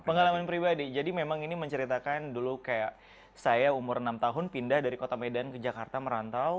pengalaman pribadi jadi memang ini menceritakan dulu kayak saya umur enam tahun pindah dari kota medan ke jakarta merantau